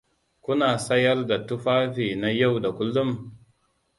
Kuna sayar da tufafi na yau da kullun?